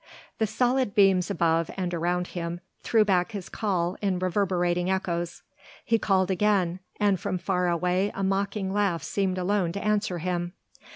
The solid beams above and around him threw back his call in reverberating echoes. He called again, and from far away a mocking laugh seemed alone to answer him.